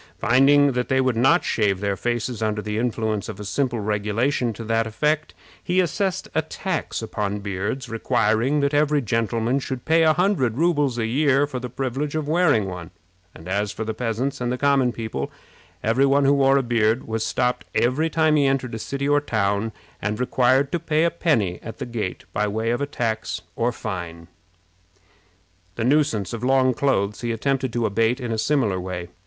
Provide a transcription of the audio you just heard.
Finding that they would not shave their faces under the influence of a simple regulation to that effect, he assessed a tax upon beards, requiring that every gentleman should pay a hundred rubles a year for the privilege of wearing one; and as for the peasants and common people, every one who wore a beard was stopped every time he entered a city or town, and required to pay a penny at the gate by way of tax or fine. The nuisance of long clothes he attempted to abate in a similar way.